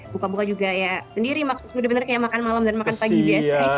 buka buka juga ya sendiri bener bener kayak makan malam dan makan pagi biasanya